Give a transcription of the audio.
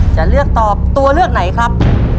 จะเลือกตอบตัวเลือกไหนครับ